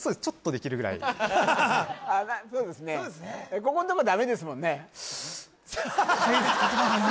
ここんとこダメですもんね